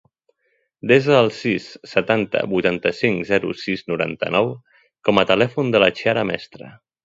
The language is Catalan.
Desa el sis, setanta, vuitanta-cinc, zero, sis, noranta-nou com a telèfon de la Chiara Mestre.